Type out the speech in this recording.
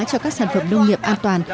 cho các sản phẩm nông nghiệp an toàn